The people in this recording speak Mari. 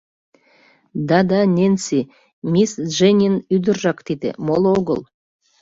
Да-да, Ненси, мисс Дженнин ӱдыржак тиде, моло огыл.